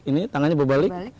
ini tangannya berbalik